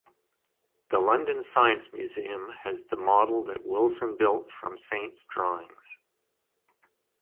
The London Science Museum has the model that Wilson built from Saint's drawings.